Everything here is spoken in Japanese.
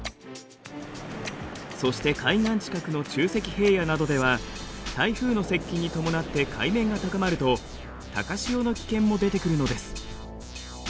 そして海岸近くの沖積平野などでは台風の接近に伴って海面が高まると高潮の危険も出てくるのです。